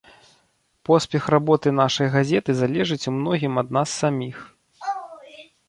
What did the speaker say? Поспех работы нашай газеты залежыць у многім ад нас саміх.